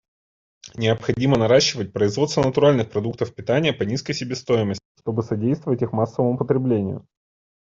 Необходимо наращивать производство натуральных продуктов питания по низкой себестоимости, чтобы содействовать их массовому потреблению.